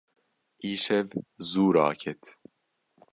Îşev zû raket.